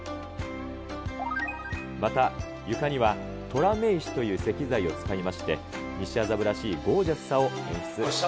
また、床には虎目石という石材を使いまして、西麻布らしいゴージャスさを演出しているんだそう。